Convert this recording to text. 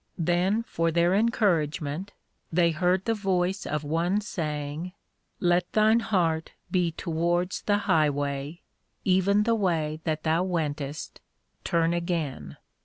Then for their encouragement, they heard the voice of one saying, _Let thine heart be towards the High way, even the way that thou wentest, turn again.